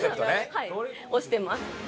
はい。をしてます。